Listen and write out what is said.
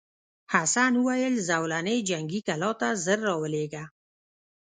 حسن وویل زولنې جنګي کلا ته ژر راولېږه.